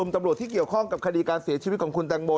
ตำรวจที่เกี่ยวข้องกับคดีการเสียชีวิตของคุณแตงโม